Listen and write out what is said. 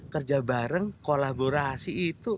kerja bareng kolaborasi itu